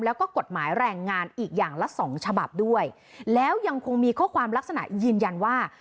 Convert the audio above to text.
แล้วก็กฎหมายแรงงานอีกอย่างละสองฉบับด้วยแล้วยังคงมีข้อความลักษณะยืนยันว่า